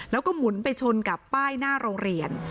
แล้วก็หมุนไปชนกับป้ายหน้าโรงเรียน